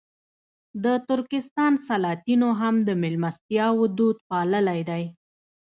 د ترکستان سلاطینو هم د مېلمستیاوو دود پاللی دی.